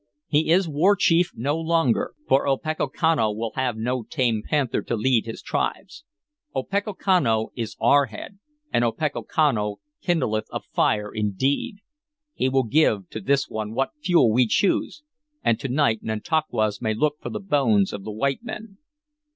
He is war chief no longer, for Opechancanough will have no tame panther to lead the tribes. Opechancanough is our head, and Opechancanough kindleth a fire indeed! We will give to this one what fuel we choose, and to night Nantauquas may look for the bones of the white men!"